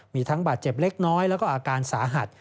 มีทั้งบาดเจ็บเล็กน้อยแล้วก็อาการสาหัส